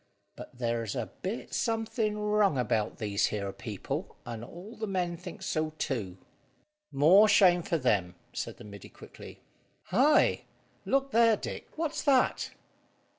But there's a bit something wrong about these here people, and all the men thinks so too." "More shame for them!" said the middy quickly. "Hi! Look there, Dick; what's that?"